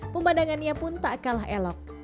pemandangannya pun tak kalah elok